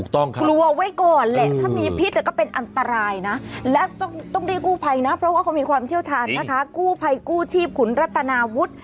ถ้ามีพิษใช้เป็นอันตรายน่ะแอบต้องดีกู้ภัยนะเพราะการมีความเชี่ยวชาญนะคะกู้ภัยกู้ชีพขุนรัตนาวุฒิ